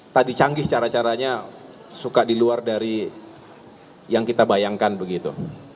tadi canggih cara caranya suka di luar dari yang kita bayangkan begitu